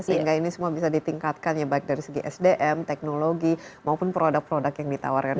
sehingga ini semua bisa ditingkatkan ya baik dari segi sdm teknologi maupun produk produk yang ditawarkan